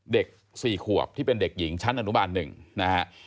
เด็ก๔ขวบที่เป็นเด็กหญิงชั้นอนุบาล๑นะฮะ